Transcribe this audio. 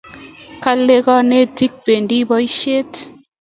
Kale kanetik pendi poishet